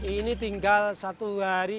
ini tinggal satu hari